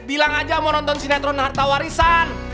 bilang aja mau nonton sinetron harta warisan